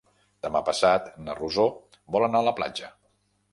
Demà passat na Rosó vol anar a la platja.